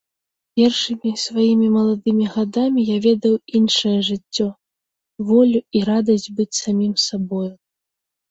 Першымі сваімі маладымі гадамі я ведаў іншае жыццё, волю і радасць быць самім сабою.